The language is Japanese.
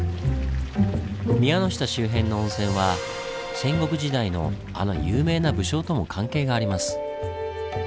宮ノ下周辺の温泉は戦国時代のあの有名な武将とも関係があります。